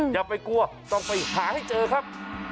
อย่าไปกลัวต้องไปหาให้เจอครับ